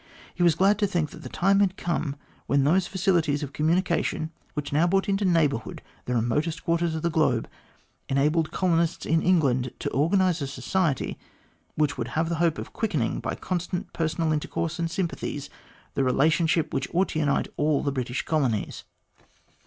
He was glad to think that the time had come when those facilities of communication > which now brought into neighbourhood the remotest quarters of the globe, enabled colonists in England to organise a society which would have the hope of quickening,, by constant personal intercourse and sympathies, the relation ship which ought to unite all the British colonies.